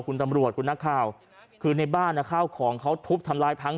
คุณตำรวจคุณนักข่าวคือในบ้านข้าวของเขาทุบทำลายพัง